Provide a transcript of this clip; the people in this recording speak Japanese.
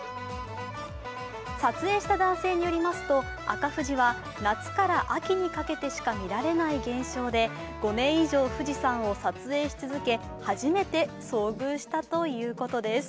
撮影した男性によりますと、赤富士は夏から秋にかけてしか見られない現象で５年以上富士山を撮影し続け初めて遭遇したということです。